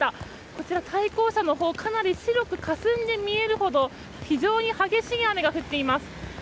こちら、対向車のほうかなり白くかすんで見えるほど非常に激しい雨が降っています。